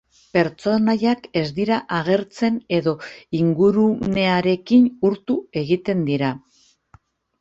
Pertsonaiak ez dira agertzen edo ingurunearekin urtu egiten dira.